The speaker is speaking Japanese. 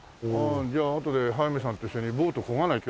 じゃああとで速水さんと一緒にボートこがなきゃ。